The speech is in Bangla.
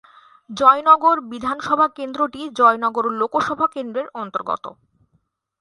জয়নগর বিধানসভা কেন্দ্রটি জয়নগর লোকসভা কেন্দ্রের অন্তর্গত।